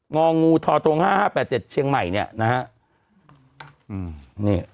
งงท๕๕๘๗เชียงใหม่เนี่ยนะครับ